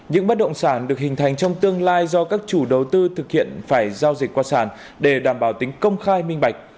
những bất động sản được hình thành trong tương lai do các chủ đầu tư thực hiện phải giao dịch qua sản để đảm bảo tính công khai minh bạch